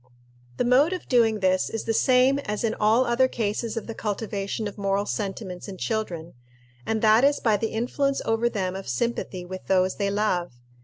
The mode of doing this is the same as in all other cases of the cultivation of moral sentiments in children, and that is by the influence over them of sympathy with those they love.